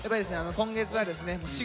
今月はですね４月。